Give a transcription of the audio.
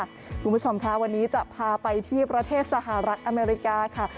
คุณผู้ชมค่ะวันนี้จะพาไปที่ประเทศสหรัฐอเมริกาค่ะ